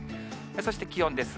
そして気温です。